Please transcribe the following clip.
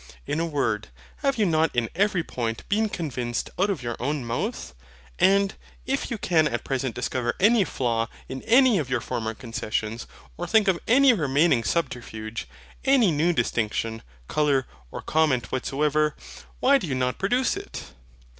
In a word have you not in every point been convinced out of your own mouth? And, if you can at present discover any flaw in any of your former concessions, or think of any remaining subterfuge, any new distinction, colour, or comment whatsoever, why do you not produce it?